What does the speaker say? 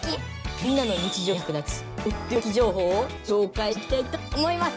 みんなの日常に役立つとっておき情報を紹介していきたいと思います！